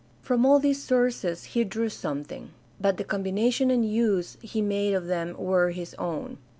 From all these sources he drew some thing. But the combination and use he made of them were his own.